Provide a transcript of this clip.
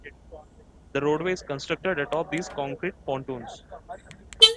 The roadway is constructed atop these concrete pontoons.